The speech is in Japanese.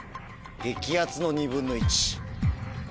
激アツの２分の１。